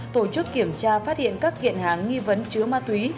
tổ chức kiểm tra phát hiện các kiện hàng nghi vấn chứa ma túy